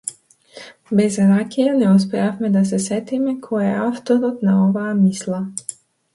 Без ракија не успеавме да се сетиме кој е авторот на оваа мисла.